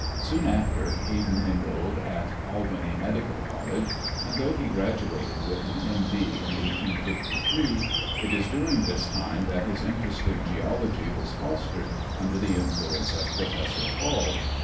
Soon after, Hayden enrolled at Albany Medical College, and though he graduated with an M.D. in 1853, it is during this time that his interest in geology was fostered under the influence of Professor Hall.